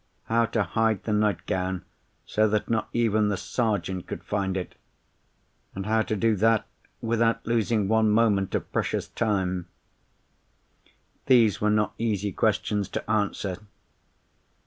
How to hide the nightgown so that not even the Sergeant could find it? and how to do that without losing one moment of precious time?—these were not easy questions to answer.